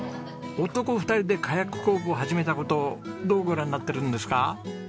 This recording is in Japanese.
男２人でカヤック工房始めた事どうご覧になってるんですか？